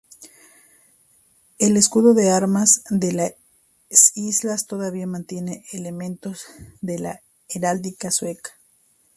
El escudo de armas de las islas todavía mantiene elementos de la heráldica sueca.